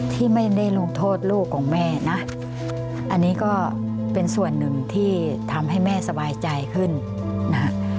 ที่ไม่ได้ลงโทษลูกของแม่นะอันนี้ก็เป็นส่วนหนึ่งที่ทำให้แม่สบายใจขึ้นนะฮะ